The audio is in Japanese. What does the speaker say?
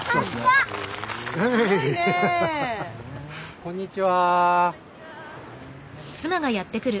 こんにちは。